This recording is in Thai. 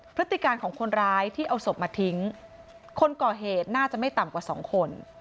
พฤติการของคนร้ายที่เอาศพมาทิ้งคนก่อเหตุน่าจะไม่ต่ำกว่าสองคน